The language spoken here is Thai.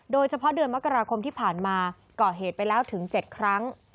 โดยเฉพาะเดือนมกราคมที่ผ่านมาก่อเหตุไปแล้วถึง๗ครั้ง